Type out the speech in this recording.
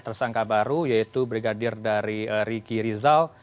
tersangka baru yaitu brigadir dari riki rizal